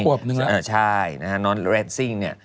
ควบหนึ่งหรอคะใช่นอนเรนซิ่งนี่